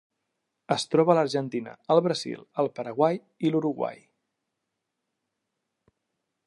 Es troba a l'Argentina, el Brasil, el Paraguai i l'Uruguai.